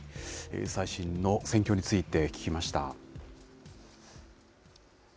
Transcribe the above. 最新の戦況について聞きました。